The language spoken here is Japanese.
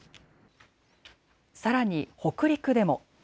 さらに北陸でも。